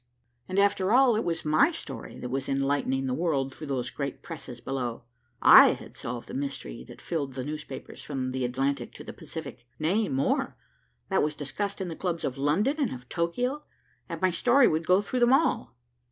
And after all, it was my story that was enlightening the world through those great presses below. I had solved the mystery that filled the newspapers from the Atlantic to the Pacific, nay more, that was discussed in the clubs of London and of Tokio, and my story would go through them all.